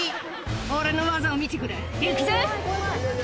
「俺の技を見てくれ行くぜ」